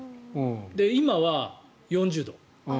今は４０度。